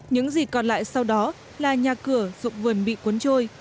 những gì còn lại sau đó là nhà cửa dụng vườn bị cuốn trôi